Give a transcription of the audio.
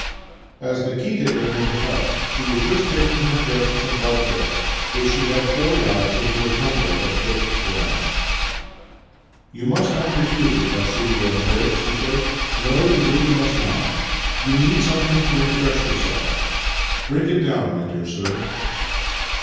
As Nikita entered the hut she was just taking her guest some vodka, which she had poured out into a tumbler of thick glass. " You must not refuse it, Vassili Andreitch," she said. " No, you really must not. You need some 26 Master and Man thing to refresh you. Drink it down, my dear sir."